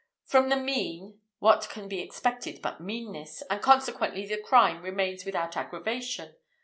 From the mean, what can be expected but meanness, and consequently the crime remains without aggravation?